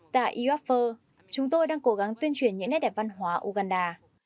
tại iwafi chúng tôi đang cố gắng tuyên truyền những nét đẹp văn hóa uganda